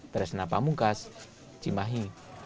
teresna pamungkas cimahi